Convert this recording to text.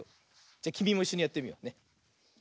じゃきみもいっしょにやってみようね。